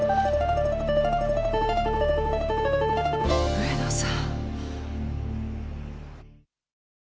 上野さん。